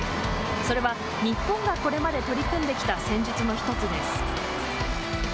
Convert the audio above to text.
それは、日本がこれまで取り組んできた戦術の１つです。